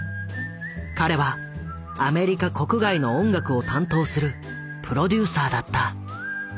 彼はアメリカ国外の音楽を担当するプロデューサーだった。